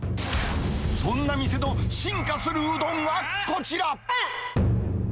そんな店の進化するうどんがこちら。